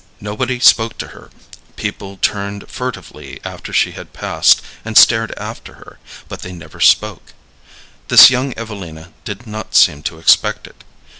Nobody spoke to her; people turned furtively after she had passed and stared after her, but they never spoke. This young Evelina did not seem to expect it.